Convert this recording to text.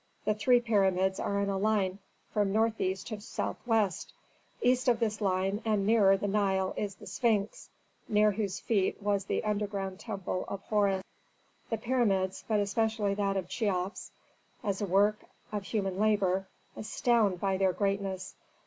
The three pyramids are in a line from northeast to southwest. East of this line and nearer the Nile is the Sphinx, near whose feet was the underground temple of Horus. The pyramids, but especially that of Cheops, as a work of human labor, astound by their greatness.